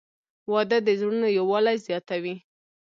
• واده د زړونو یووالی زیاتوي.